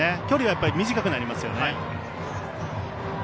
距離は短くなりますね。